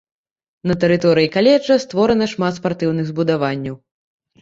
На тэрыторыі каледжа створана шмат спартыўных збудаванняў.